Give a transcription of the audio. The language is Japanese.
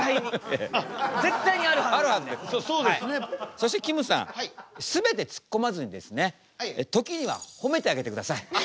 そしてきむさん全てツッコまずにですね時にはほめてあげてください。